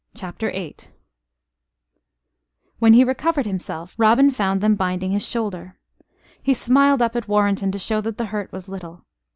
CHAPTER VIII When he recovered himself Robin found them binding his shoulder. He smiled up at Warrenton to show that the hurt was little.